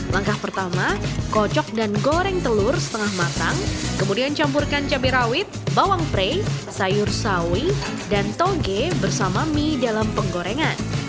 langkah pertama kocok dan goreng telur setengah matang kemudian campurkan cabai rawit bawang pre sayur sawi dan toge bersama mie dalam penggorengan